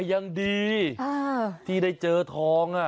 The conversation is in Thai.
ยังดีที่ได้เจอทอง